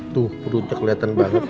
tuh perutnya keliatan banget